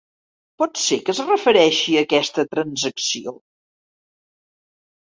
Pot ser que es refereixi a aquesta transacció?